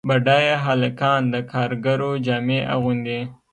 بډایه هلکان د کارګرو جامې اغوندي.